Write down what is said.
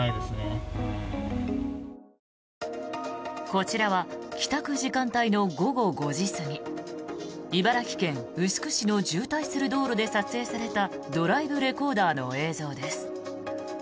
こちらは帰宅時間帯の午後５時過ぎ茨城県牛久市の渋滞する道路で撮影されたドライブレコーダーの映像です。